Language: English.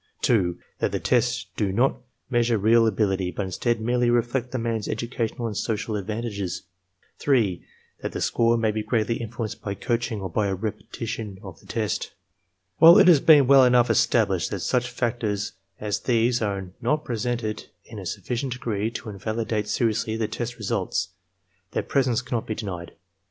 (2) That the tests do not measure real ability, but instead merely reflect the man's educational and social advantages. (3) That the score may be greatly influenced by coaching or by a repetition of the test. While it has been well enough established that such factors as these are not present in a sufficient degree to invalidate seriously the test results, their presence cannot be denied.